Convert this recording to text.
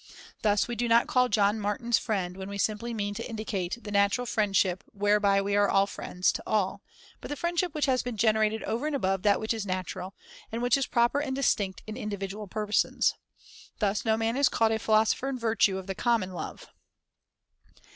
Thus we do not call John Of true Martin's friend when we simply mean to in friendship dicate the natural friendship whereby we are all friends to all, but the friendship which has been generated over and above that which is natural, and which is proper and distinct in individual persons. Thus no man is called a philosopher in virtue of the common love.